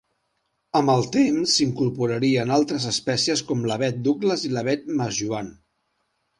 Amb el temps s'incorporarien altres espècies com l'Avet Douglas i l'Avet Masjoan.